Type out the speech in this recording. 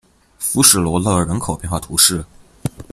弗什罗勒人口变化图示